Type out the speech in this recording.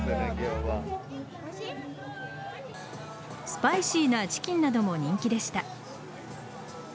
スパイシーなチキンなども人気でした。